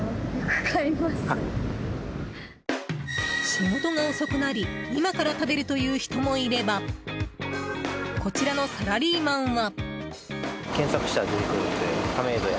仕事が遅くなり今から食べるという人もいればこちらのサラリーマンは。